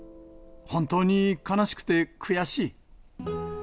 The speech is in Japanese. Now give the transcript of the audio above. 本当に悲しくて、悔しい。